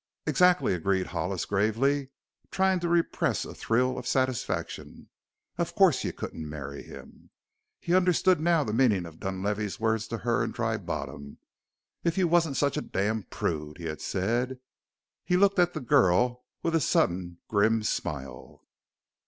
"Exactly," agreed Hollis gravely, trying to repress a thrill of satisfaction; "of course you couldn't marry him." He understood now the meaning of Dunlavey's words to her in Dry Bottom. "If you wasn't such a damn prude," he had said. He looked at the girl with a sudden, grim smile.